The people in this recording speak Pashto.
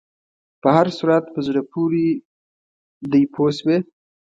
په هر صورت په زړه پورې دی پوه شوې!.